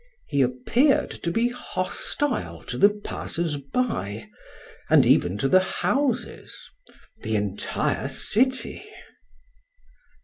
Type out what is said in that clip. He appeared to be hostile to the passers by, and even to the houses, the entire city.